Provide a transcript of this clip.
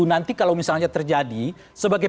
nanti kalau misalnya terjadi sebagai